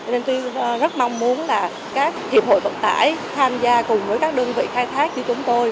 nên tôi rất mong muốn là các hiệp hội vận tải tham gia cùng với các đơn vị khai thác như chúng tôi